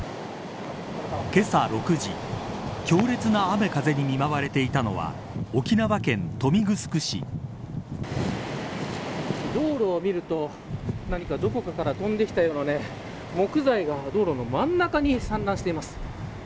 けさ６時強烈な雨風に見舞われていたのは道路を見ると何か、どこかから飛んできたような木材が道路の真ん中に散乱しています。